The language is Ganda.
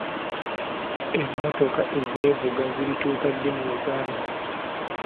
Emmotoka ezeevuga zirituuka ddi mu Uganda?